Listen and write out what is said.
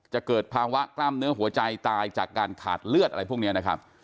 เกิดภาวะกล้ามเนื้อหัวใจตายจากการขาดเลือดอะไรพวกนี้นะครับ